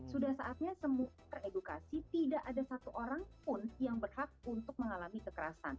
sudah saatnya semua teredukasi tidak ada satu orang pun yang berhak untuk mengalami kekerasan